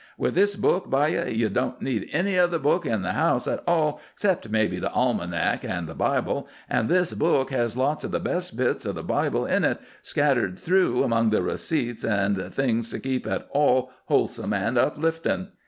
With this book by ye, ye don't need any other book in the house at all, except maybe the almanack an' the Bible—an' this book has lots o' the best bits out of the Bible in it, scattered through among the receipts an' things to keep it all wholesome an' upliftin'.